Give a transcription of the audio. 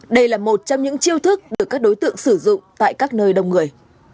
đây là một trong những chiêu thức được các đối tượng sử dụng tại các nơi đông người